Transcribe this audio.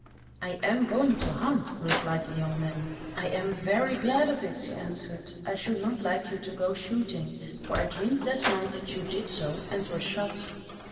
"I am going to hunt," replied the young man. "I am very glad of it," she answered. "I should not like you to go shooting, for I dreamed last night that you did so, and were shot."